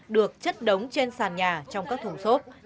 được chất đống trên sàn nhà trong các thùng xốp